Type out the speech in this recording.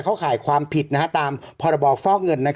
เข้าข่ายความผิดนะฮะตามพบฟล่อเงิน